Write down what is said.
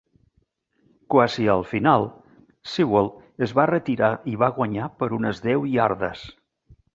Quasi al final, Sewell es va retirar i va guanyar per unes deu iardes.